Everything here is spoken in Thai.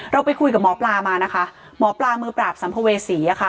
เราไปคุยกับหมอปลามานะคะหมอปลามือปราบสัมภเวษีอะค่ะ